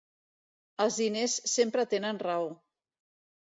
Els diners sempre tenen raó.